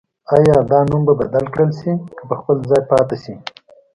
آیا دا نوم به بدل کړل شي که په خپل ځای پاتې شي؟